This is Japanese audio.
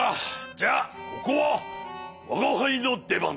じゃあここはわがはいのでばんだ。